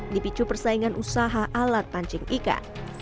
dipicu persaingan usaha alat pancing ikan